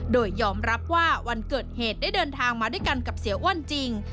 โดยยอมรับว่าวันเกิดเหตุได้เดินทางมาด้วยกันกับเสียอ้วนจริง